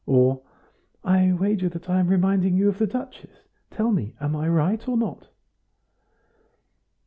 or, "I wager that I am reminding you of the Duchess; tell me, am I right or not?"